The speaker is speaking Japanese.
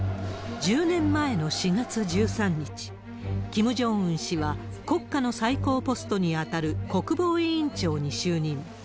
１０年前の４月１３日、キム・ジョンウン氏は、国家の最高ポストに当たる国防委員長に就任。